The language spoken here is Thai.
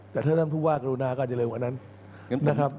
แต่ถ้าท่านผู้ว่ากรุณาก็อาจจะเร็วกว่านั้นนะครับ